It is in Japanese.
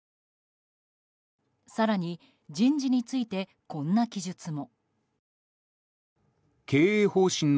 更に、人事についてこんな記述も。